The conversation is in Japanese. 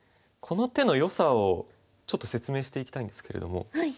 この手のよさをちょっと説明していきたいんですけれども。